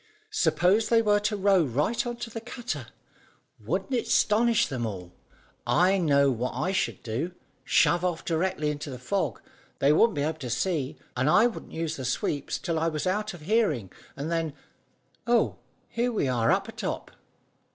"Suppose they were to row right on to the cutter! Wouldn't it 'stonish them all? I know what I should do. Shove off directly into the fog. They wouldn't be able to see, and I wouldn't use the sweeps till I was out of hearing, and then oh, here we are up atop!"